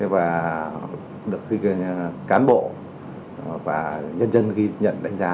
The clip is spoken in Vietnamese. và được cán bộ và nhân dân ghi nhận đánh giá